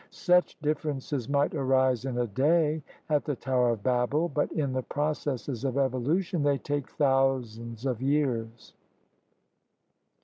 Such differences might arise in a day at the Tower of Babel, but in the processes of evolution they take thousands of years.